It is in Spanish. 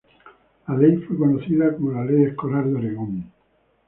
La ley fue conocida como la Ley Escolar de Oregón.